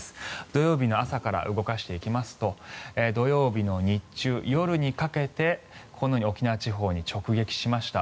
土曜日の朝から動かしていきますと土曜日の日中、夜にかけてこのように沖縄地方に直撃しました。